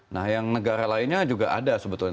nah yang negara lainnya juga ada sebetulnya